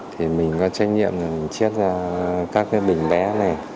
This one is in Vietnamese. thì mình có trách nhiệm là mình chiết ra các cái bình bé này